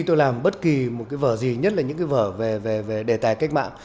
tôi làm bất kỳ một cái vở gì nhất là những cái vở về đề tài cách mạng